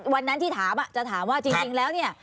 วันนั้นที่ถามจะถามว่าจริงแล้วเนี่ย